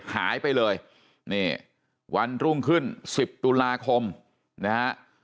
หายไปเลยนี่วันรุ่งขึ้น๑๐ตุลาคมนะฮะ